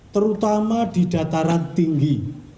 terutama di dataran tinggi